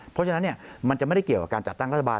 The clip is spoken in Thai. เพราะฉะนั้นมันจะไม่ได้เกี่ยวกับการจัดตั้งรัฐบาล